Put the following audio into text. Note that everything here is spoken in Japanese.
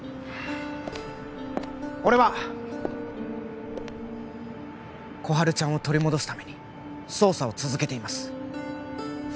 俺は心春ちゃんを取り戻すために捜査を続けています